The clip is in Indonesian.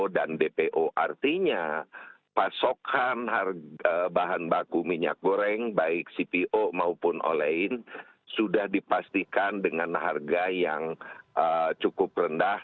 dan dpo artinya pasokan harga bahan baku minyak goreng baik cpo maupun olein sudah dipastikan dengan harga yang cukup rendah